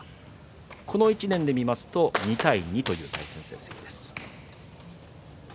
この１年で見ますと２対２という対戦成績です。